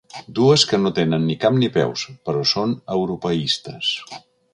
Dues que no tenen ni cap ni peus, però són europeistes.